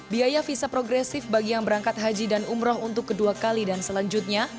biaya visa progresif bagi yang berangkat haji dan umroh untuk kedua kali dan selanjutnya